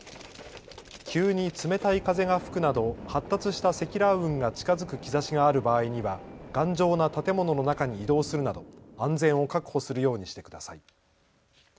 急に冷たい風が吹くなど発達した積乱雲が近づく兆しがある場合には頑丈な建物の中に移動するなど安全を確保するようにしてください。